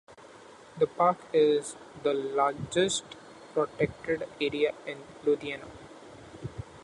The park is the largest protected area in Lithuania.